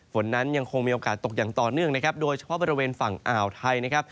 ฝนนั้นยังคงมีโอกาสตกอย่างต่อเนื่องนะครับโดยเฉพาะบริเวณฝั่งอ่าวไทยนะครับ